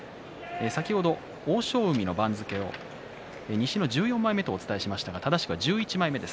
先ほど欧勝海の番付を西の１４枚目とお伝えしましたが正しくは１１枚目です。